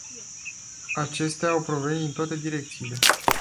Acestea au provenit din toate direcțiile.